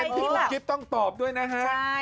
อุ๊กกิ๊บต้องตอบด้วยนะฮะ